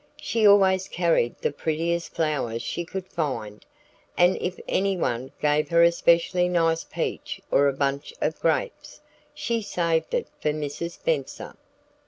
She always carried the prettiest flowers she could find, and if any one gave her a specially nice peach or a bunch of grapes, she saved it for Mrs. Spenser.